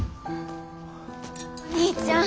お兄ちゃん。